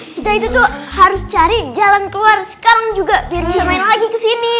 kita itu tuh harus cari jalan keluar sekarang juga biar bisa main lagi kesini